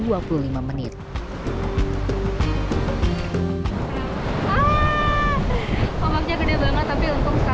ombaknya gede banget tapi untung sekarang kita sudah sampai di tanjung binerian dengan selamat